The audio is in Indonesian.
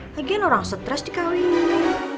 lagian orang stres dikawin